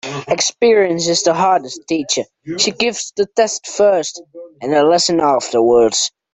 Experience is the hardest teacher. She gives the test first and the lesson afterwards.